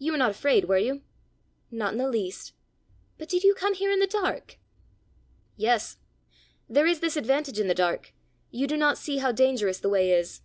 You were not afraid, were you?" "Not in the least. But did you come here in the dark?" "Yes. There is this advantage in the dark: you do not see how dangerous the way is.